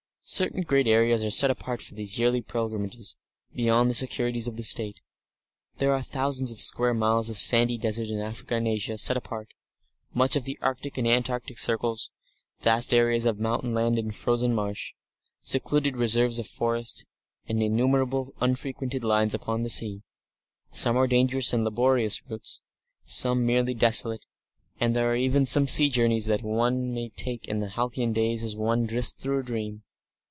Certain great areas are set apart for these yearly pilgrimages beyond the securities of the State. There are thousands of square miles of sandy desert in Africa and Asia set apart; much of the Arctic and Antarctic circles; vast areas of mountain land and frozen marsh; secluded reserves of forest, and innumerable unfrequented lines upon the sea. Some are dangerous and laborious routes; some merely desolate; and there are even some sea journeys that one may take in the halcyon days as one drifts through a dream.